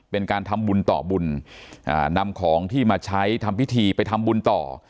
เป็นการทำบุญต่อบุญนำของที่มาใช้ทำพิธีไปทำบุญต่อ